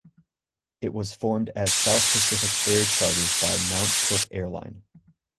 It was formed as South Pacific Air Charters by Mount Cook Airline.